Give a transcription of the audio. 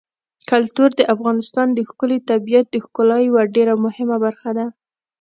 کلتور د افغانستان د ښکلي طبیعت د ښکلا یوه ډېره مهمه برخه ده.